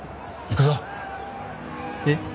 えっ？